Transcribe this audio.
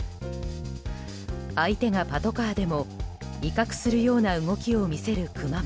相手がパトカーでも威嚇するような動きを見せるクマも。